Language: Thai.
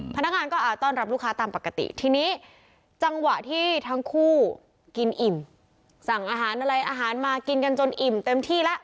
พนักงานก็ต้อนรับลูกค้าตามปกติทีนี้จังหวะที่ทั้งคู่กินอิ่มสั่งอาหารอะไรอาหารมากินกันจนอิ่มเต็มที่แล้ว